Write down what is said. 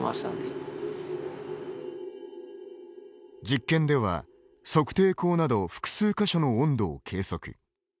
実験では測定口など複数箇所の温度を計測。